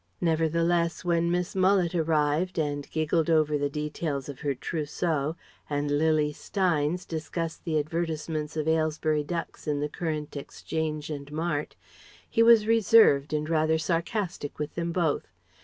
Nevertheless, when Miss Mullet arrived and giggled over the details of her trousseau and Lily Steynes discussed the advertisements of Aylesbury ducks in the current Exchange and Mart, he was reserved and rather sarcastic with them both.